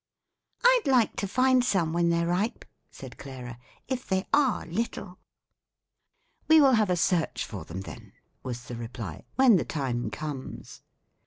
"I'd like to find some when they're ripe," said Clara, "if they are little." "We will have a search for them, then," was the reply, "when the time comes.